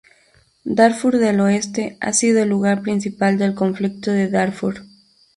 Darfur del Oeste ha sido el lugar principal del Conflicto de Darfur.